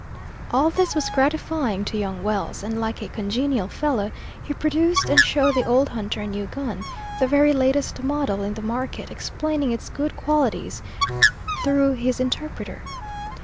All this was gratifying to young Wells, and like a congenial fellow, he produced and showed the old hunter a new gun, the very latest model in the market, explaining its good qualities through his interpreter.